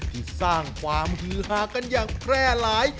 ที่สร้างความฮือฮากันอย่างแพร่หลาย